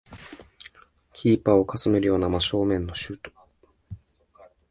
キーパーをかすめるような真正面のシュート